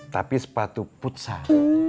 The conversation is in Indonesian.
tapi sepatu futsal